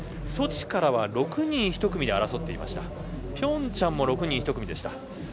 ソチからは６人１組で争っていてピョンチャンも６人１組でした。